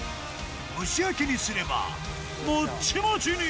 蒸し焼きにすればもっちもちに！